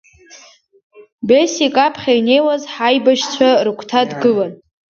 Бесик аԥхьа инеиуаз ҳаибашьцәа рыгәҭа дгылан.